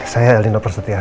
saya elina persetia